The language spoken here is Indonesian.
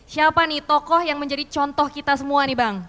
siapa nih tokoh yang menjadi contoh kita semua nih bang